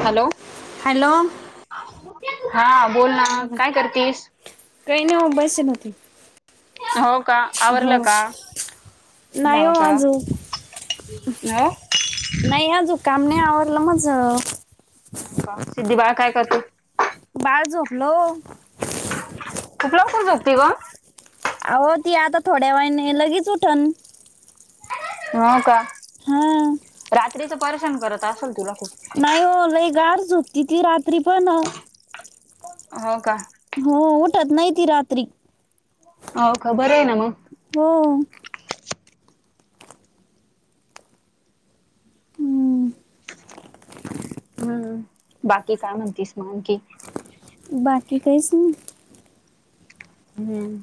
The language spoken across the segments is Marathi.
हॅलो हॅलो हा, बोल ना, बोला काय करतीस? काही नाही हो बसेल होते. हो, का हो, आवरलं का? नाही हो आज हो नाही आजू, काम नाही आवरलं, माझं हो, का, सिद्धी बाळ काय करते? बाळ झोपलं, हो कीती उशीर झोपती व? आहो, ती आता, थोड्या वेळाने, लगीच उठण. हो, का हंम रात्रीचं परेशान करत आसल तूला खूप? नाही वो, लय गाढ झोपती ती रात्री, पण हो, का हो, उठत नाही ती रात्री. हो का, बरं आहे ना म हो. हम्म हम्म, बाकी काय म्हणतीस म्हण की? बाकी काहीच नाही. हम्म.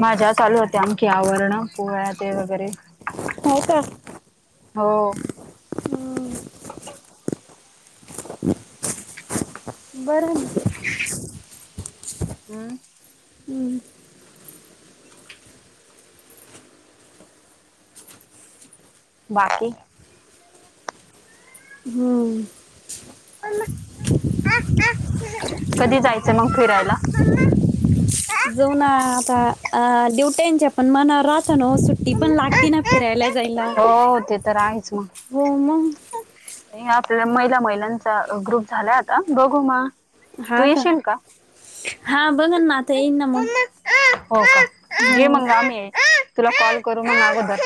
माज्या चालू होत्या, अमखी आवरणं पोळ्या ते वगैरे. होय का. हो. हम्म. [inaudible] बरं [inaudible] [inaudible] अं. अंहं. बाकी? हम्म. कधी जायचं मग फिरायला? जऊ ना आता, अ दिवट्यांचे पण राहतं नव्हं सुट ती पण लागते ना फिरायला जायला, हो ते तर आहेच मग. हो मंग. आपल्या महिला महिलांचा ग्रुप झालाय आता बघू म हां का, हा बघन ना आता येईन ना मंग. हो का, ये मंग आम्ही हाय हा तुला कॉल करू मंग अगोदर.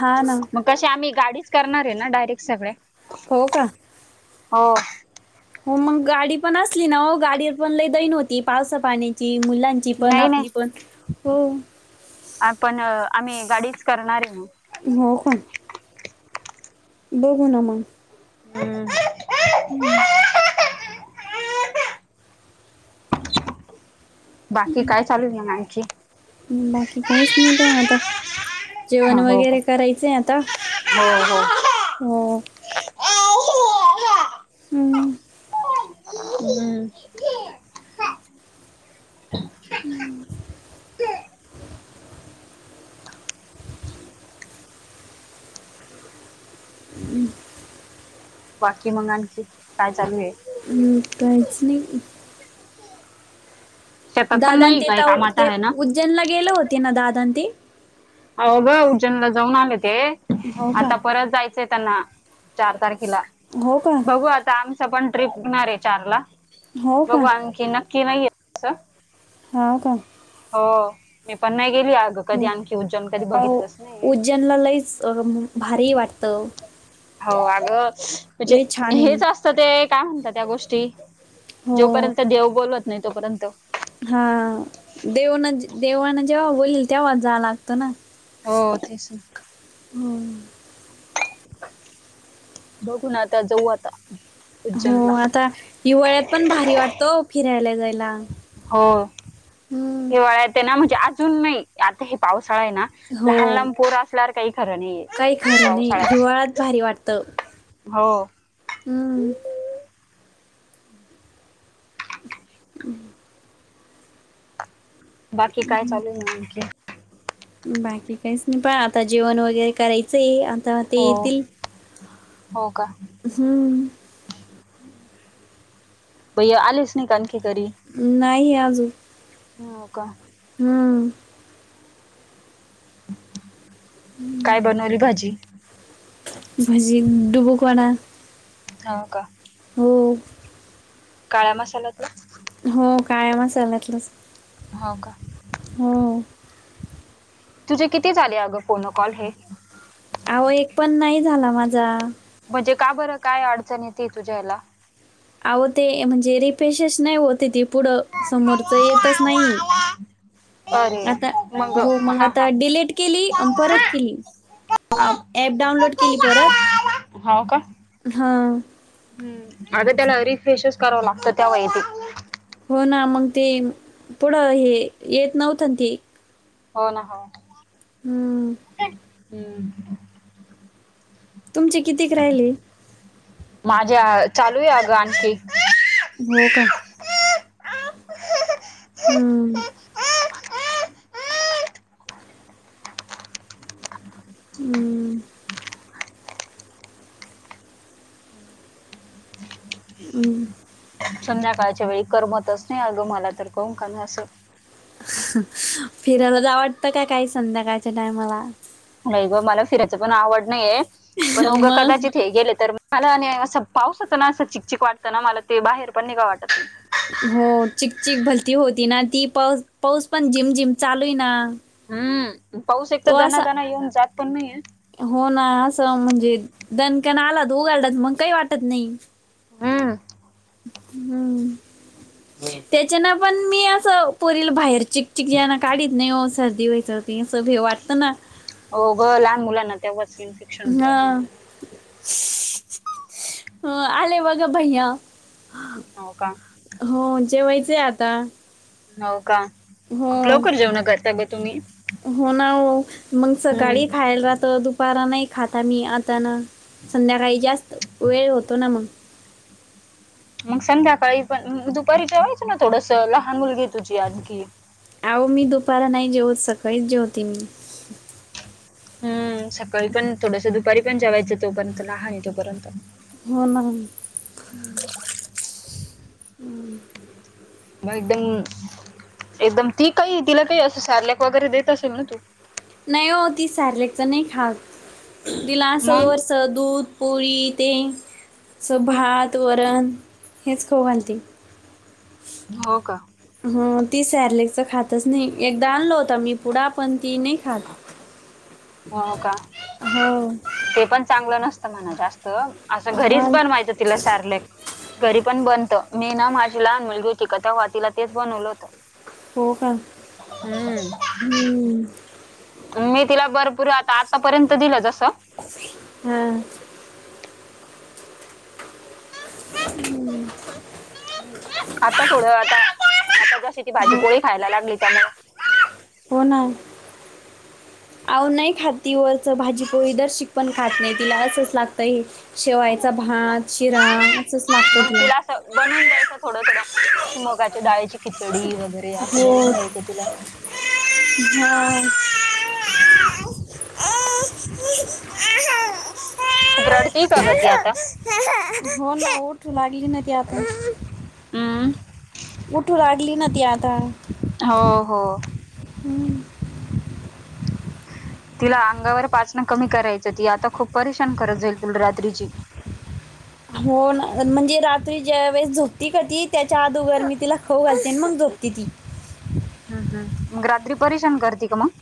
हां ना. मग कशे आम्ही गाडीच करणारे ना डायरेक्ट सगळे. हो का. हो. हो मंग गाडी पण असली ना ओ गाडी पण लई दैन व्हती. पावसा पाण्याची, मुलां ची पण, नाही नाही आपली पण. हो. आपण आम्ही गाडीच करणारे म. हो का. बघू ना मंग. [unintelligible] हम्म. हम्म. बाकी काय चालू आहे मग आणखी हम्म बाकी काहीच नई बा आता. हा जेवण हो का वगैरे करायचंय आता, हो हो हो. हम्म. [unintelligible] हम्म. [inaudible] [unintelligible] बाकी मंग आणखी काय चालू ये? हम्म काहीच नई. शेतात पण दादान नाही ते काय ताऊ काम आता ते आहे ना? उज्जनला गेले होते ना दादा न ते? हाव ग उज्जनला जाऊन आलेत. ते हो का आता परत जायचंय त्यांना चार तारखेला हो का बघू आता आम चं पण ट्रिप होणार हाय चारला, हो का बघू आणखी नक्की नाहीये तिथं. हां का. हो मी पण नई गेली अगं कधी आणखी उज्जैन कधी अ बघितलंच नाही. उज्जनला लईच अ भारीये वाटतं. हाव अगं म्हणजे लई छान आहे हेच असतं ते काय म्हणता त्या गोष्टी हो जोपर्यंत देव बोलवत नाही तोपर्यंत हा देवना देवान जेव्हा होईल तेव्हा जा लागतं ना. हो तेच ना. होय. बघू ना आता जाऊ आता. उज्जैनला. हो आता हिवाळ्यात पण भारी वाटतो फिरायला जायला. हो हम्म. हिवाळ्यात ये ना म्हणजे आजून नाही. आता हे पावसाळा आहे ना हो लहान लहान पोरं असल्यावर काही खरं नाहीये. काही खरं नाही पावसाळ्यात हिवाळ्यात भारी वाटतं हो हम्म. [unintelligible] बाकी काय चालू आहे म्हणून की. बाकी काहीच नाही पा आता जेवण वगैरे कराय चे आता ते हो येतील हम्म. बाई आलेच नाही का आणखी घरी? नाही अजून हो का. हम्म. हम्म. काय बनवली भाजी? भजी डुबुक वणा. हाव का. हो. काळ्या मसाल्यातला. हो काळ्या मसाल्यातलाच. हाव का. हो. तुझे किती झाले अगं फोन अ कॉल हे? आहो एक पण नाही झाला माझा. म्हणजे का बरं काय अडचण येती तुझ्या याला? अहो ते म्हणजे रिफ्रेशस नाही होते ती पुढं समोरच येतच नाही. अरे आता हो मग हा हा आता डिलिट केली अम परत केली. आप ॲप डाउनलोड केली परत. हाव का. हा. हम्म अगं त्याला रिफ्रेशच कराव लागतं तेव्हा येते. हो ना मंग ते पुढं हे येत नव्हतं ना ते. हो ना हाव ना. हम्म. हम्म. तुमचे कितीक राहिले? माझे चालू आहे अगं आणखी. हो का. हम्म. हम्म. उम्म संध्याकाळच्या वेळी करमतच नाही अगं मला तर काऊन कणी असं. फिरायला जावं वाटतं का काही संध्याकाळच्या टायमाला. नाही गं मला फिरायचं पण आवड नाहीये पण उगं मग कदाचित हे गेले तर मला आणि असं पाऊस होतं ना असं चिकचिक वाटतं ना मला ते बाहेर पण निघा वाटत नाही. हो चिक चिक भलती होती ना ती पाऊस पाऊस पण जिम जिम चालूय ना. हम्म पाऊस एक तर तो असा दनादाणा येऊन जात पण नाहीेये. हो ना असं म्हणजे दणकण आला तर उघडला तर मग काही वाटत नाही. हम्म. हम्म. त्याच्यान पण मी असं पोरीला बाहेर चिकचिक जना काढीत नाही ओ सर्दी व्हायच. तीन सभे वाटतं ना. हो गं लहान मुलांना तेव्हाच इन्फेक्शन होऊन हा जातं. आले हो बघा भैया. हो का? हो जेवायचय आता. हाव का खूप हो लवकर जेवणं करता गं तुम्ही. हो ना हो मंग सकाळी हम्म खायला राहतं दुपारा नाही खात आम्ही आता ना. संध्याकाळी जास्त वेळ होतो ना मंग. मग संध्याकाळी पण दुपारी जेवायचं ना थोडसा लहान मुलगी तुझी आणखी. आवो मी दुपारा नाही जेवत सकाळी जेवते मी. हम्म सकाळी पण थोडसं दुपारी पण जेवायचं तो पर्यंत लहान आहे तोपर्यंत. हो ना हम्म. म एकदम एकदम ती काही तिला काही असं सेरलेक वगैरे देत असेल ना तू. नाही ओ ती सेरलॅक चां नाही खात तिला असं मग वर चा दूध पोळी ते स भात वरण हेच खाऊ घालते. हो का. हां ती सेरलॅकचां खातच नाही एकदा आणलं होता मी पुडा पण ती नाही खात. हो का हो ते पण चांगलं नसतं म्हणा जास्त. असं हा घरीच बनवायचं तिला सारलेक. घरी पण बनतं मी ना माझी लहान मुलगी होती का तवा तीला तेच बनवलं होतं. हो का हम्म. मी तिला भरपूर आता आतापर्यंत दिलं जसं हा. हम्म. आता थोडं आता आता जशी ती भाजी हो पोळी खायला लागली त्यामुळे. हो ना. आहो नाही खात ती वरचं भाजी पोळी दर्शिक पण खात नाही तिला असंच लागतय हे. शेवायचा भात शिरा असंच लागतं मंग तिला असं बनवून द्यायचं थोडं थोडं अशी मुगा ची डाळीची खिचडी वगैरे असं बनवून घ्यायचं तिला. हां. खूप रडते का गं ती आता? हो ना उठू लागली ना ती आता. उम्म उठू लागली ना ती आता. हो हो. हम्म. तिला अंगावर पाचनं कमी करायचं, ती आता खूप परेशान करत जाईल तुला रात्रीची. हो ना म्हणजे, रात्री ज्या वेळेस झोपती का ती त्यांच्या आदुगर मी तिला खाऊ घालते, मग झोपती ती. हम हम. मग रात्री परेशान करते का मग.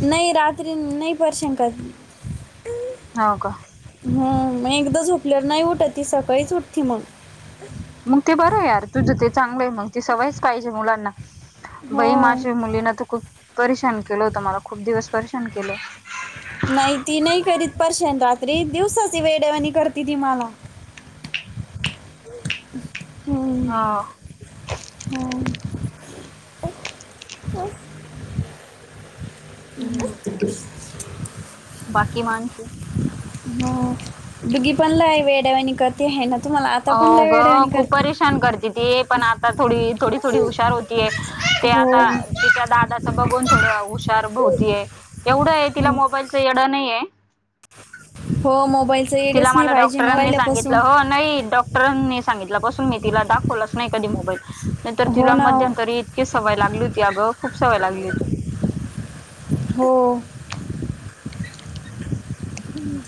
नाही रात्री नाही परेशान कर होव का. ह. मग एकदा झोपल्यावर नाही उठत, ती सकाळीच उठती मग. मंग ते बरं आहे यार तुझं चांगलं आहे, मग ते सवयच पाहिजे मुलांना. बाई हो माझ्या मुलीन तर खूप परेशान केलं, होतं, मला खूप दिवस परेशान केलं. नाही ती नाही करीत परेशान रात्री, दिवसाचं वेडेवाणी करती ती मला. हां. हा. हम्म मस्त दिसतीस. बाकी मग आणखी. हां. डुगीपण लय वेड्यावाणी करती. हेना तुम्हाला हाय ना, आता पण हो लै ग वेड्यावाणी खूप करती. परेशान करत दीदी पण आता थोडी, थोडी थोडी हुशार होतीये ती हो आता तिच्या दादा. च बघून थोडं हुशार भोवतीय एवढं, आहे तिला हो मोबाईलच येड नाहीये. हो मोबाईलच एडच तिला नाही मला पाहिजे, न डॉक्टरांनी सांगितलं पाहिल्यापासून. हो नाही डॉक्टरांनी सांगितलं पासून मी तिला दाखवलंच नाही कधी मोबाईल. नाहीतर हो तिला ना हो. मध्यंतरी इतकी सवय लागली होती. अगं खूप सवय लागली होती. हो. हम.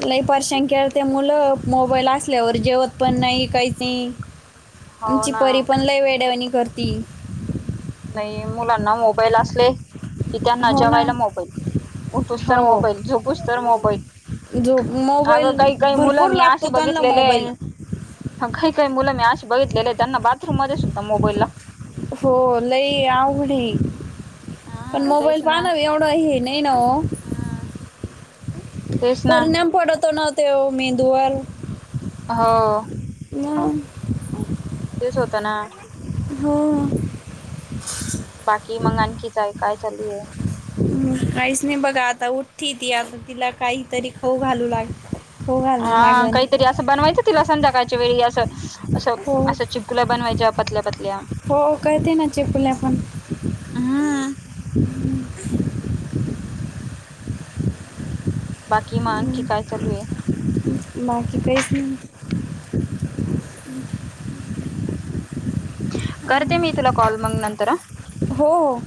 लय परशान केल ते मुलं, मोबाईल असल्यावर जेवत पण नाइ काय ती. हो आमची ना परी पण लय वेड्यावणी करती. नाही मुलांना मोबाईल असले, की त्यांना हो ना जेवायला मोबाईल. उठूस तर हो मोबाईल, झोपूस तर मोबाईल. जो अगं मोबाईल काही काही मुलं भरपूर मी असे लागतो त्यांना बघितलेले मोबाईल आहे. काही काही मुलं मी अशी बघितलेले आहे. त्यांना बाथरूममध्ये सुद्धा मोबाईल लागतो. हो लई आवघड ये, पण हा मोबाईल तेच ना पाहन एवढं तेवढ हे नाही न ओ. हा तेच ना परिणाम पडतोना तो मेंदूवर. हो. मग. तेच होतं ना. हो. बाकी मगं आणखी काय काय चालूय. हम् काहीच नाही बघा, आता उठती आता तिला काहीतरी खाऊ घालू लाग खाऊ घालणं हा लागन काहीतरी असं बनवायचं, तिला संध्याकाळच्या वेळी असं. अशा हो अशा चिपकुल्या बनवायच्या पतल्या पतल्या. हो करते ना चेपुल्या पण हम. बाकी मग आणखी काय चालू ये. बाकी काहीच नाही. हा. करते मी तुला कॉल मंग नंतर हा. हो हो.